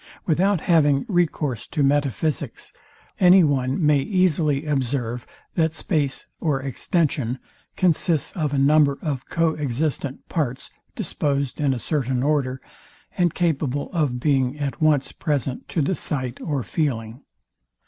Without having recourse to metaphysics, any one may easily observe, that space or extension consists of a number of co existent parts disposed in a certain order, and capable of being at once present to the sight or feeling.